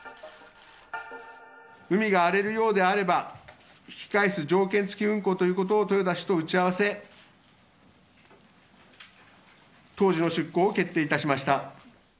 海が荒れるようであれば、引き返す条件付き運航ということを、豊田氏と打ち合わせ、当時の出航を決定いたしました。